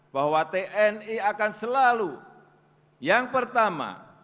bahwa tni akan selalu yang pertama